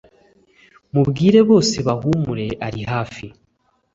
mubwire bose bahumiure ari hafi